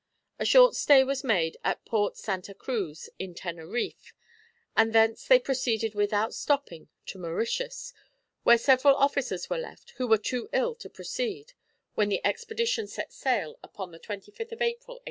A short stay was made at Port Santa Cruz in Teneriffe, and thence they proceeded without stopping to Mauritius, where several officers were left who were too ill to proceed when the expedition set sail upon the 25th of April, 1801.